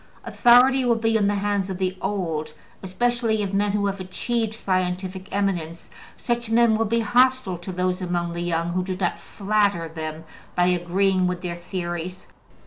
Authority will be in the hands of the old, especially of men who have achieved scientific eminence; such men will be hostile to those among the young who do not flatter them by agreeing with their theories.